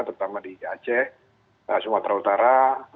terutama di aceh sumatera utara